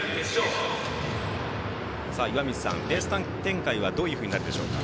岩水さん、レース展開はどうなるでしょうか？